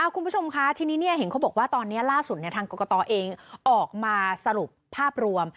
คุณผู้ชมคะทีนี้เห็นเขาบอกว่าตอนนี้ล่าสุดทางกรกตเองออกมาสรุปภาพรวม